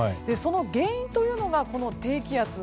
その原因というのが低気圧。